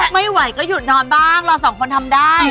ไม่ไหวก็หยุดนอนบ้างเราสองคนทำได้